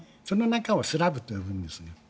その中をスラブと呼ぶんです。